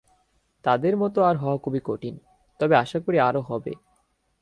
তাঁদের মত আর হওয়া খুবই কঠিন, তবে আশা করি, আরও হবে।